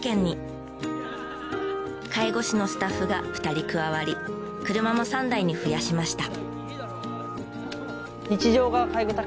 介護士のスタッフが２人加わり車も３台に増やしました。